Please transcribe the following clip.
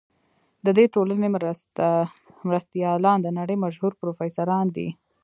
د دې ټولنې مرستیالان د نړۍ مشهور پروفیسوران دي.